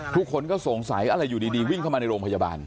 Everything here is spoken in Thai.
ทุกคนก็สงสัยอะไรอยู่ดีวิ่งเข้ามาในโรงพยาบาล